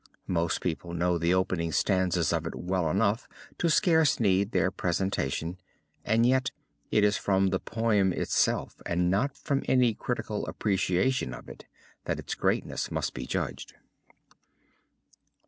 Most people know the opening stanzas of it well enough to scarce need their presentation and yet it is from the poem itself, and not from any critical appreciation of it, that its greatness must be judged.